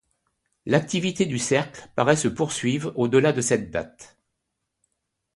L'activité du Cercle paraît se poursuivre au-delà de cette date.